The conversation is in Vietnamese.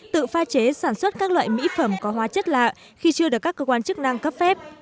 tự pha chế sản xuất các loại mỹ phẩm có hóa chất lạ khi chưa được các cơ quan chức năng cấp phép